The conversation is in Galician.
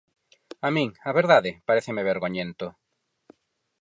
A min, a verdade, paréceme vergoñento.